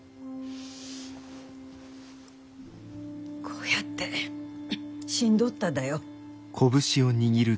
こうやって死んどっただよ。